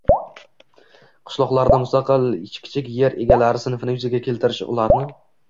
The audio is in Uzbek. – qishloqlarda mustaqil kichik yer egalari sinfini yuzaga keltirish ularni